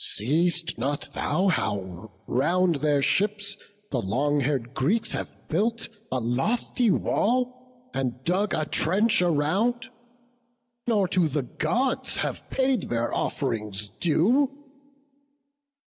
see'st thou not How round their ships the long hair'd Greeks have built A lofty wall, and dug a trench around, Nor to the Gods have paid their off'rings due!